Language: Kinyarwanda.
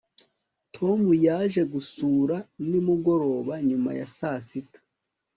tom yaje gusura nimugoroba nyuma ya saa sita